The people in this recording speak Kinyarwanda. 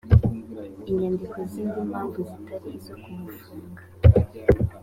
inyandiko zindi mpamvu zitari izo kumufunga